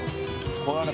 これがね